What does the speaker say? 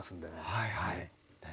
はいはいね